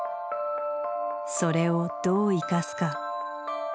それをどう生かすか。